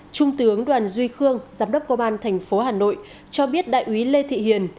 trung tướng đoàn duy khương giám đốc công an tp hcm cho biết đại úy lê thị hiền